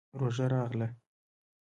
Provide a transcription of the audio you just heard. روژه راغله.